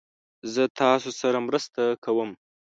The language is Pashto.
زه تاسو سره مرسته کوم